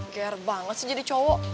care banget sih jadi cowok